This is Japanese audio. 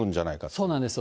そうなんですよ。